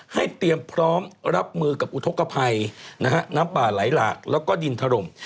เตรียมพร้อมรับมือกับอุทธกภัยนะฮะน้ำป่าไหลหลากแล้วก็ดินถล่ม